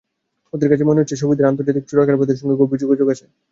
ওদের কাছে মনে হচ্ছে শফিকের আন্তর্জাতিক চোরাকারবারিদের সঙ্গে গভীর যোগাযোগ আছে।